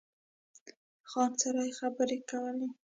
ځان سره یې خبرې کولې.